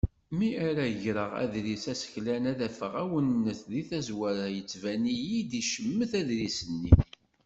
Mi ara ɣreɣ aḍris aseklan ad afeɣ awennet di tazwara yettvan-iyi-d icemmet aḍris-nni.